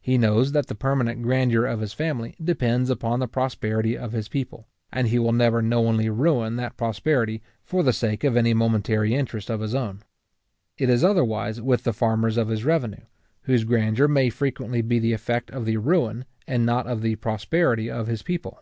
He knows that the permanent grandeur of his family depends upon the prosperity of his people, and he will never knowingly ruin that prosperity for the sake of any momentary interest of his own. It is otherwise with the farmers of his revenue, whose grandeur may frequently be the effect of the ruin, and not of the prosperity, of his people.